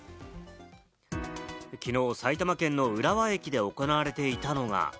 きのう埼玉県の浦和駅で行われていたのが。